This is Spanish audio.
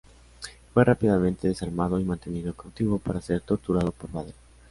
Fue rápidamente desarmado, y mantenido cautivo para ser torturado por Vader.